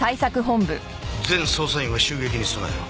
全捜査員は襲撃に備えろ。